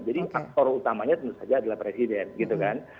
jadi aktor utamanya tentu saja adalah presiden gitu kan